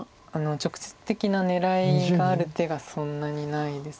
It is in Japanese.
直接的な狙いがある手がそんなにないですから。